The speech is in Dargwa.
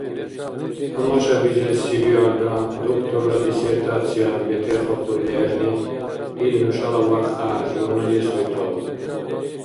Тамшабизеси биалра, докторла диссертация бетерхахъурли гӀергъи ил нушала вархкья – журналист ветаур.